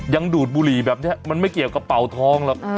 ดูดบุหรี่แบบนี้มันไม่เกี่ยวกระเป๋าทองหรอก